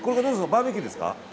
バーベキューですか？